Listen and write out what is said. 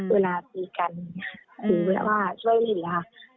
เวลาตีกันหรือว่าช่วยหลีดละครับ